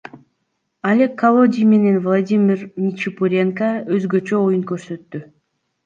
Олег Колодий менен Владимир Ничипуренко өзгөчө оюн көрсөттү.